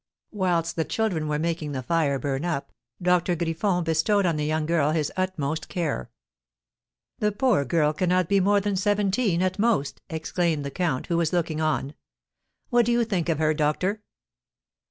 Whilst the children were making the fire burn up, Doctor Griffon bestowed on the young girl his utmost care. "The poor girl cannot be more than seventeen at most!" exclaimed the count, who was looking on. "What do you think of her, doctor?"